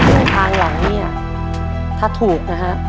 ข้อผ่านหลังนี้ถ้าถูกนะคะ